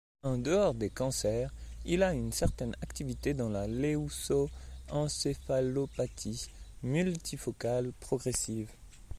En dehors des cancers, il a une certaine activité dans la Leucoencéphalopathie multifocale progressive.